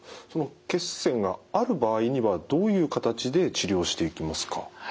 血栓がある場合にはどういう形で治療していきますか？